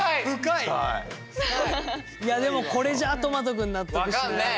いやでもこれじゃとまと君納得しない。